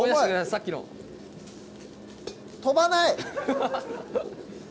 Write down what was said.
さっきの飛ばない！